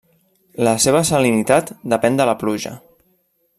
La seva salinitat depèn de la pluja.